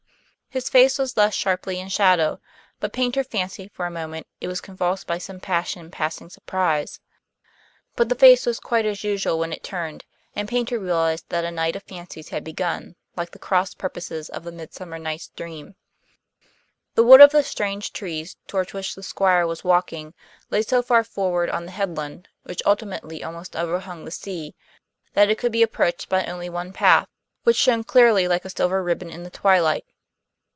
His face was thus sharply in shadow, but Paynter fancied for a moment it was convulsed by some passion passing surprise. But the face was quite as usual when it turned, and Paynter realized that a night of fancies had begun, like the cross purposes of the "Midsummer Night's Dream." The wood of the strange trees, toward which the Squire was walking, lay so far forward on the headland, which ultimately almost overhung the sea, that it could be approached by only one path, which shone clearly like a silver ribbon in the twilight.